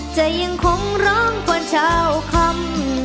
จะยังคงร้องกวนชาวคำ